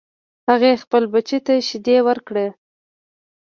هغې خپل بچی ته شیدې ورکړې